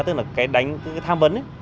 tức là cái đánh cái tham vấn ấy